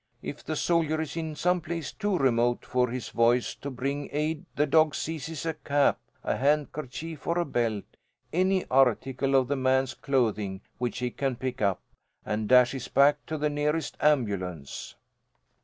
If the soldier is in some place too remote for his voice to bring aid the dog seizes a cap, a handkerchief, or a belt, any article of the man's clothing which he can pick up, and dashes back to the nearest ambulance."